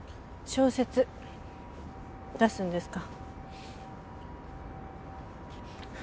小説出すんですか？